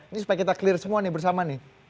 ini supaya kita clear semua nih bersama nih